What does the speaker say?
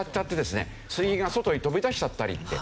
水銀が外に飛び出しちゃったりって。